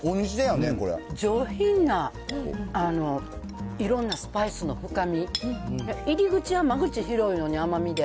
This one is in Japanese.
上品な、いろんなスパイスの深み、入り口は間口広いのに、甘みで。